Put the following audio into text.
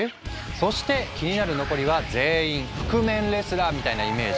そして気になる残りは全員覆面レスラーみたいなイメージ。